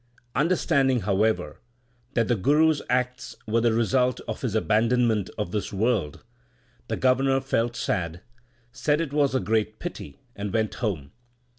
Understanding, however, that the Guru s acts were the result of his abandonment of this world, the Governor felt sad, said it was a great pity, and went home.